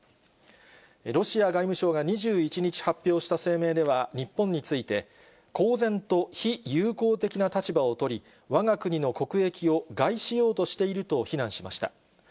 ロシア外務省が２１日発表した声明では、日本について、公然と非友好的な立場を取り、わが国の国益を害しようとしていると非難しました。